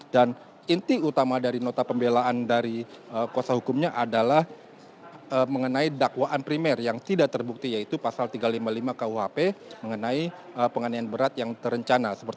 dan inti utama dari nota pembelaan dari kuasa hukumnya adalah mengenai dakwaan primer yang tidak terbukti yaitu pasal tiga ratus lima puluh lima kuhp mengenai penganian berat yang terencana